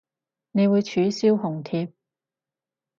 你會取消紅帖